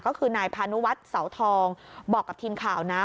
ก็คือนายพานุวัฒน์เสาทองบอกกับทีมข่าวนะ